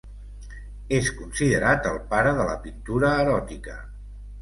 És considerat el pare de la pintura eròtica.